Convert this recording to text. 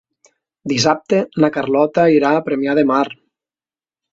Dissabte na Carlota irà a Premià de Mar.